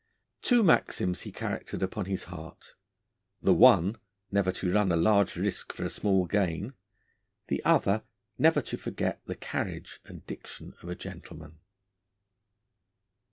Two maxims he charactered upon his heart: the one, never to run a large risk for a small gain; the other, never to forget the carriage and diction of a gentleman.